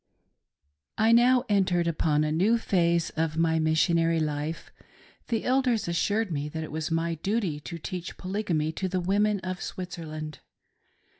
I NOW entered upon a new phase of my Missionary life ; the Elders assured me that it was my duty to teach Polygamy to the women of Switzerland.